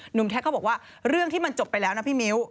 แท็กเขาบอกว่าเรื่องที่มันจบไปแล้วนะพี่มิ้ว